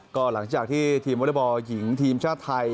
ก็หลังจากที่ทีมวอเล็กบอลหญิงทีมชาติไทย